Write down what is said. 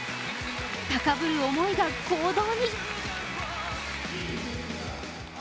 高ぶる思いが行動に。